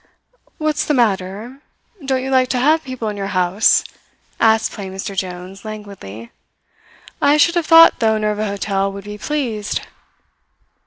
"What's the matter? Don't you like to have people in your house?" asked plain Mr. Jones languidly. "I should have thought the owner of a hotel would be pleased."